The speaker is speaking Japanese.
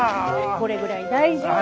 これぐらい大丈夫。